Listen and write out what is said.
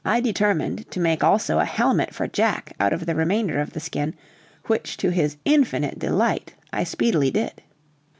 I determined to make also a helmet for Jack out of the remainder of the skin, which to his infinite delight I speedily did.